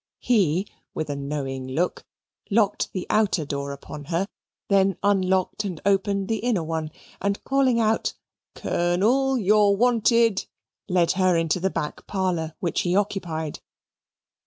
He, with a knowing look, locked the outer door upon her then unlocked and opened the inner one, and calling out, "Colonel, you're wanted," led her into the back parlour, which he occupied.